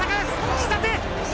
下手！